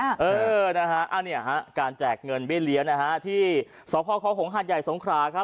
อันนี้การแจกเงินบิเลี้ยวที่สคหาดใหญ่สงครา